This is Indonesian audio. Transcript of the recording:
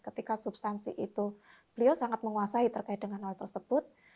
ketika substansi itu beliau sangat menguasai terkait dengan hal tersebut